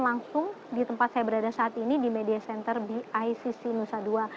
langsung di tempat saya berada saat ini di media center bicc nusa dua